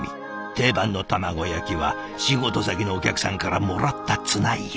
定番の卵焼きは仕事先のお客さんからもらったツナ入り。